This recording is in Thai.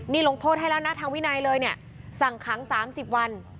นี่ลงโทษให้แล้วนะทางวินัยเลยเนี่ยสั่งขัง๓๐วัน